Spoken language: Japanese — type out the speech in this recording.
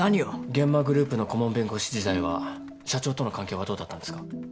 諫間グループの顧問弁護士時代は社長との関係はどうだったんですか？